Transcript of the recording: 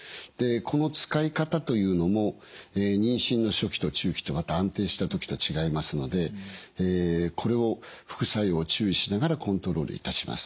この使い方というのも妊娠の初期と中期とまた安定した時と違いますのでこれを副作用注意しながらコントロールいたします。